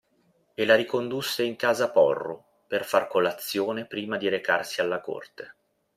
E la ricondusse in casa Porru per far colazione prima di recarsi alla Corte.